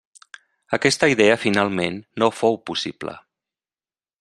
Aquesta idea finalment no fou possible.